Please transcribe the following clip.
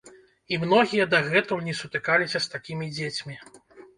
І многія дагэтуль не сутыкаліся з такімі дзецьмі.